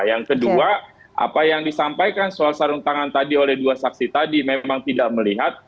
yang kedua apa yang disampaikan soal sarung tangan tadi oleh dua saksi tadi memang tidak melihat